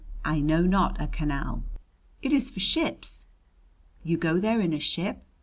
I know not a canal." "It is for ships " "You go there in a ship?"